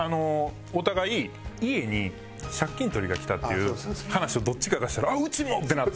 お互い家に借金取りが来たっていう話をどっちかがしたら「あっうちも！」ってなって。